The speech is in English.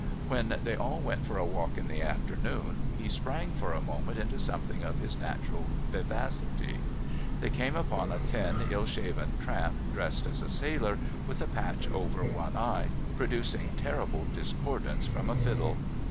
When they all went for a walk in the afternoon, he sprang for a moment into something of his natural vivacity. They came upon a thin, ill shaven tramp dressed as a sailor, with a patch over one eye, producing terrible discordance from a fiddle.